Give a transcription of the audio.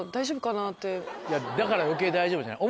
だから余計大丈夫じゃない？